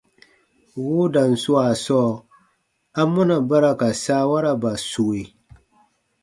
Woodan swaa sɔɔ, amɔna ba ra ka saawaraba sue?